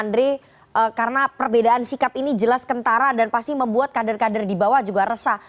andre karena perbedaan sikap ini jelas kentara dan pasti membuat kader kader di bawah juga resah